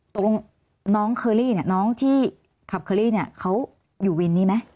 น้องเคอรี่เนี่ยน้องที่ขับเคอรี่เนี่ยเขาอยู่วินนี้ไหม